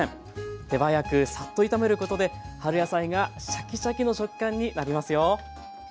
手早くサッと炒めることで春野菜がシャキシャキの食感になりますよ。